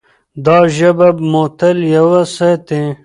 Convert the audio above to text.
دا ژبه به مو تل یوه ساتي.